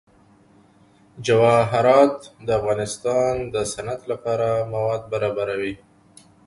جواهرات د افغانستان د صنعت لپاره مواد برابروي.